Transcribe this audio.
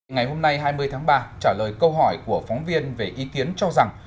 ngày hôm nay hai mươi tháng ba trả lời câu hỏi của phóng viên về ý kiến cho rằng